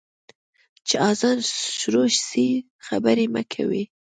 چي اذان شروع سي، خبري مه کوئ.